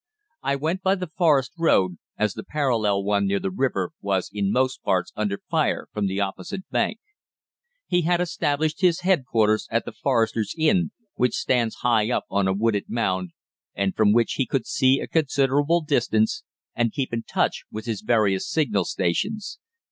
I went by the Forest road, as the parallel one near the river was in most parts under fire from the opposite bank. "He had established his headquarters at the Foresters' Inn, which stands high up on a wooded mound, and from which he could see a considerable distance and keep in touch with his various signal stations.